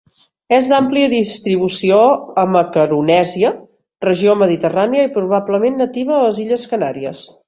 És d'àmplia distribució a Macaronèsia, regió mediterrània i probablement nativa a les Illes Canàries.